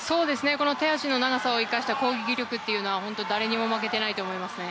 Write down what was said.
手足の長さを生かした攻撃力は誰にも負けてないと思いますね。